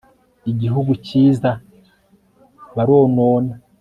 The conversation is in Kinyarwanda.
Igihugu cyiza baronona